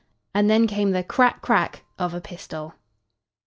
And then came the crack, crack of a pistol.